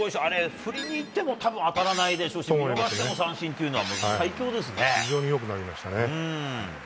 振りにいっても多分、当たらないですし見逃しても三振っていうのは非常によく投げましたね。